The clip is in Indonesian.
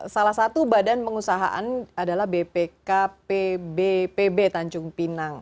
salah satu badan pengusahaan adalah bpk pbb tanjung pinang